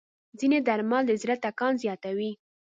ځینې درمل د زړه ټکان زیاتوي.